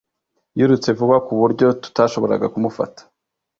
Yirutse vuba ku buryo tutashoboraga kumufata